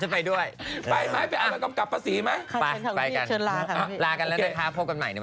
ไปไหมไปเอามากำกับภาษีไหม